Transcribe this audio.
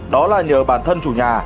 đó là nhờ bản thân chủ nhà